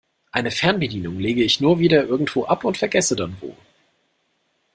Eine Fernbedienung lege ich nur wieder irgendwo ab und vergesse dann wo.